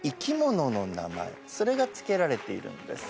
それがつけられているんです。